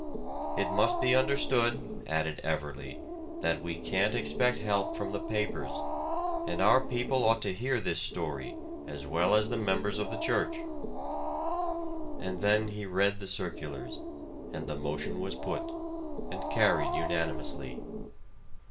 "It must be understood," added Everley, "that we can't expect help from the papers. And our people ought to hear this story, as well as the members of the church." And then he read the circulars, and the motion was put, and carried unanimously.